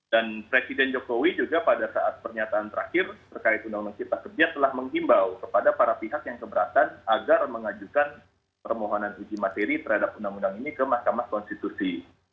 dan presiden jokowi juga pada saat pernyataan terakhir terkait undang undang cipta kerja telah menghimbau kepada para pihak yang keberatan agar mengajukan permohonan uji materi terhadap undang undang ini ke mahkamah konstitusi